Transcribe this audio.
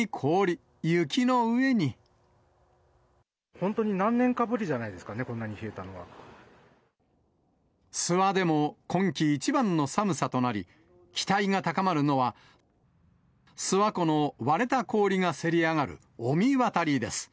本当に何年かぶりじゃないで諏訪でも今季一番の寒さとなり、期待が高まるのは、諏訪湖の割れた氷がせり上がる御神渡りです。